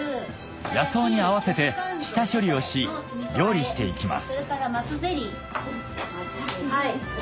野草に合わせて下処理をし料理していきます